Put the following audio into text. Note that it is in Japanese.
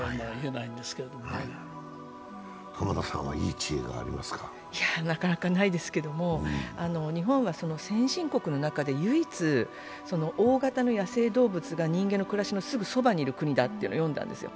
なかなかいい知恵がないですけど日本は先進国の中で唯一、大型の野生動物が人間の暮らしのすぐそばにいる国だというのを読んだんですよ。